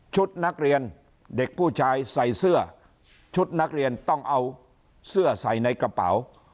นักเรียนเด็กผู้ชายใส่เสื้อชุดนักเรียนต้องเอาเสื้อใส่ในกระเป๋า